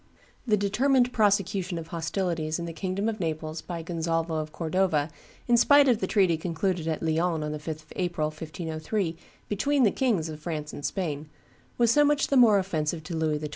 ] The determined prosecution of hostilities in the kingdom of Naples by Gonzalvo of Cordova, in spite of the treaty concluded at Lyons on the 5th of April, 1503, between the Kings of France and Spain, was so much the more offensive to Louis XII.